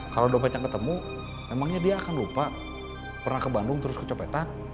kalau dompetnya ketemu emangnya dia akan lupa pernah ke bandung terus kecopetan